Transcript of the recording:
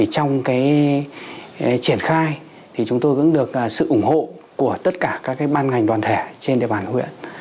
trong triển khai chúng tôi cũng được sự ủng hộ của tất cả các ban ngành đoàn thể trên địa bàn huyện